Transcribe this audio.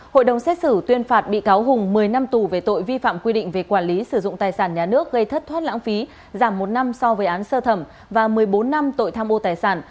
hội đồng xét xử tuyên phạt bị cáo hùng một mươi năm tù về tội vi phạm quy định về quản lý sử dụng tài sản nhà nước gây thất thoát lãng phí giảm một năm so với án sơ thẩm và một mươi bốn năm tội tham ô tài sản